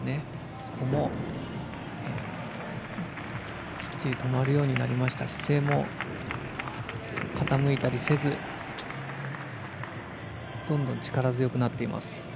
そこもきっちり止まるようになりましたし姿勢も傾いたりせずどんどん力強くなっています。